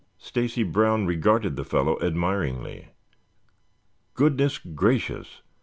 Stacy Brown regarded the fellow admiringly. "Goodness gracious!